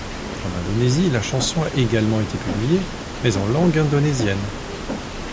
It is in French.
En Indonésie, la chanson a également été publiée mais en langue indonésienne.